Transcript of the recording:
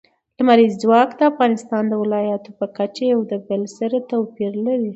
لمریز ځواک د افغانستان د ولایاتو په کچه یو له بل سره توپیر لري.